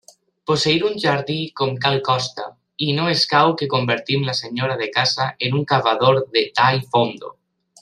Posseir un jardí com cal costa, i no escau que convertim la senyora de casa en un cavador de tall fondo.